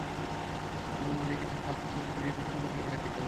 বনোয়ারি তাহাকে আদর করিয়া অণু বলিয়া ডাকিত।